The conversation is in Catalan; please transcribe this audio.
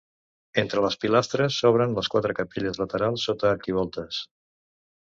Entre les pilastres s'obren les quatre capelles laterals sota arquivoltes.